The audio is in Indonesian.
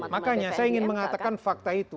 makanya saya ingin mengatakan fakta itu